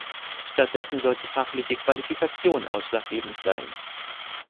Stattdessen soll die fachliche Qualifikation ausschlaggebend sein.